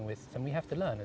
kita harus belajar